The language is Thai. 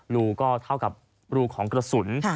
รูก็เท่ากับรูของกระสุน